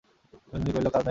বিনোদিনী কহিল, কাজ নাই, মা।